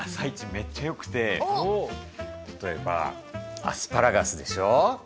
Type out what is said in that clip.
めっちゃよくて例えばアスパラガスでしょう。